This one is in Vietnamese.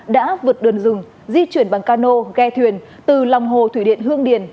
đã vượt đường dùng di chuyển bằng cano ghe thuyền từ lòng hồ thủy điện hương điển